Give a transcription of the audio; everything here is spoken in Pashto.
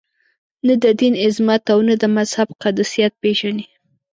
نه د دین عظمت او نه د مذهب قدسیت پېژني.